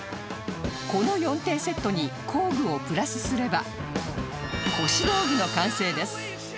この４点セットに工具をプラスすれば腰道具の完成です